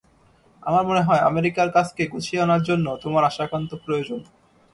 আমার মনে হয়, আমেরিকার কাজকে গুছিয়ে আনার জন্য তোমার আসা একান্ত প্রয়োজন।